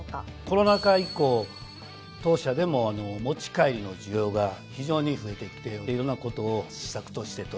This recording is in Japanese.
コロナ禍以降当社でも持ち帰りの需要が非常に増えてきていろんなことを施策として取り組んできました。